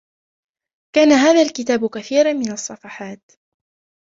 كان هذا الكتاب كثيرا من الصفحات.